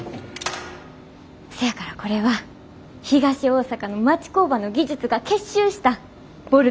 せやからこれは東大阪の町工場の技術が結集したボルトなんです。